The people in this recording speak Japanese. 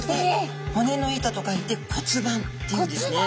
「骨の板」と書いて骨板っていうんですね。